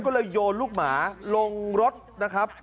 ก็เลยโยนลูกหมาลงรถนะครับ